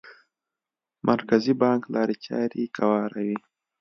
مرکزي بانک لارې چارې کاروي.